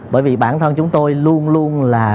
bởi vì bản thân chúng tôi luôn luôn là